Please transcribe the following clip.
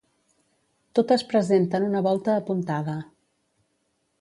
Totes presenten una volta apuntada.